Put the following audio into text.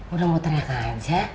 udah mau teriak aja